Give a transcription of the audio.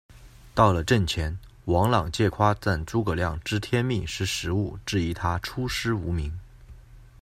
到了阵前，王朗借夸赞诸葛亮“知天命、识时务”，质疑他出师无名。